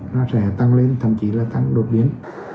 nó sẽ tăng lên thậm chí là tăng đột biến